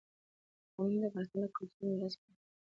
قومونه د افغانستان د کلتوري میراث برخه ده.